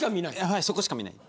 はいそこしか見ない。